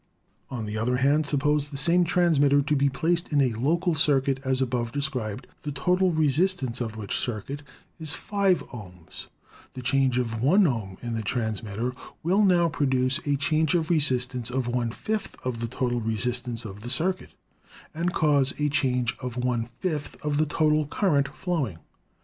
On the other hand, suppose the same transmitter to be placed in a local circuit, as above described, the total re sistance of which circuit is five ohms; the change of one ohm in the transmitter will now produce a change of resistance of one fifth of the total resistance of the cir cuit, and cause a change of one fifth of the total current flowing.